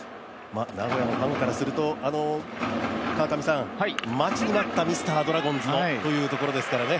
名古屋のファンからすると、川上さん待ちに待ったミスタードラゴンズというところですからね。